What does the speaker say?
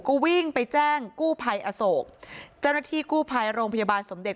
ก็วิ่งไปแจ้งกู้ภัยอโศกเจ้าหน้าที่กู้ภัยโรงพยาบาลสมเด็จ